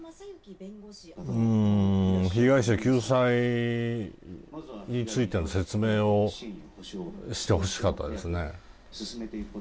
うーん、被害者救済についての説明をしてほしかったですね。